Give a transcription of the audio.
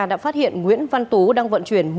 đã phát hiện nguyễn văn tú đang vận chuyển